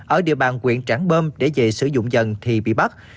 ở địa bàn quyện trảng bơm để về sử dụng dần thì bị bắt